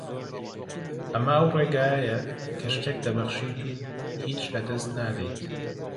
ئەمە ئەو ڕێگایەیە کە شتێک دەبەخشیت و هیچ لەدەست نادەیت